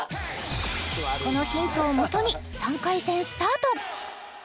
このヒントをもとに３回戦スタート！